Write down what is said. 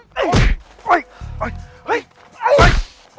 ไปไหน